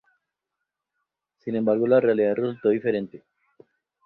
Sin embargo la realidad resultó diferente.